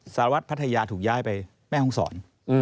สารวัตรพัทยาถูกย้ายไปแม่ห้องศร